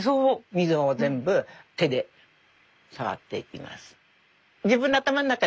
溝を全部手で触っていきます。